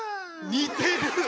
似てる！